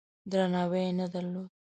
درناوی یې نه درلود.